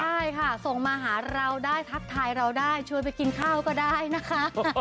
ใช่ค่ะส่งมาหาเราได้ทักทายเราได้ชวนไปกินข้าวก็ได้นะคะ